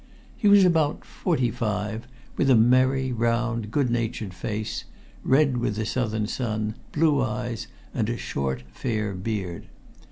He was about forty five, with a merry round, good natured face, red with the southern sun, blue eyes, and a short fair beard.